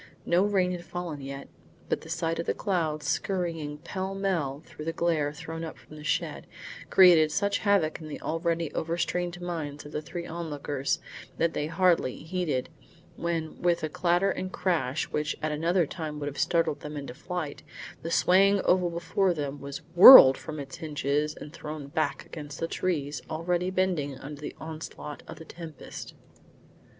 No rain had fallen yet, but the sight of the clouds skurrying pell mell through the glare thrown up from the shed, created such havoc in the already overstrained minds of the three onlookers, that they hardly heeded, when with a clatter and crash which at another time would have startled them into flight, the swaying oval before them was whirled from its hinges and thrown back against the trees already bending under the onslaught of the tempest.